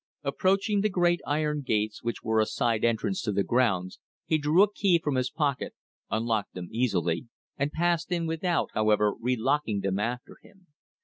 Approaching the great iron gates which were a side entrance to the grounds, he drew a key from his pocket, unlocked them easily, and passed in without, however, re locking them after him.